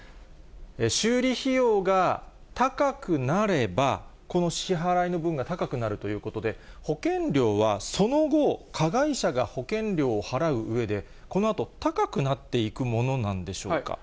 修理費用が高くなれば、この支払いの分が高くなるということで、保険料はその後、加害者が保険料を払ううえで、このあと、高くなっていくものなんでしょうか。